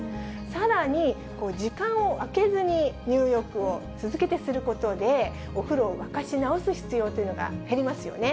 さらに、時間を空けずに入浴を続けてすることで、お風呂を沸かし直す必要というのが減りますよね。